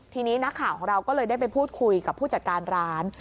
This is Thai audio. ทีนี้นักข่าวของเราก็เลยได้ไปพูดคุยกับผู้จัดการร้าน